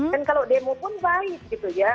dan kalau demo pun baik gitu ya